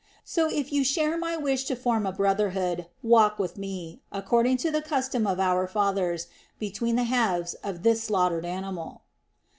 So if you share my wish to form a brotherhood, walk with me, according to the custom of our fathers, between the halves of this slaughtered animal."